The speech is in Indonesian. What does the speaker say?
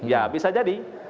ya bisa jadi